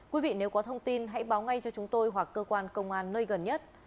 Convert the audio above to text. quý vị nếu có thông tin hãy báo ngay cho chúng tôi hoặc cơ quan công an nơi gần nhất